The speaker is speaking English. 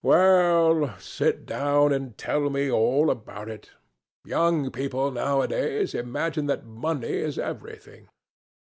"Well, sit down and tell me all about it. Young people, nowadays, imagine that money is everything."